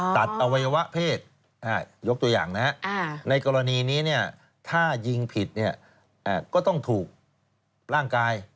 อวัยวะเพศยกตัวอย่างนะในกรณีนี้ถ้ายิงผิดก็ต้องถูกร่างกาย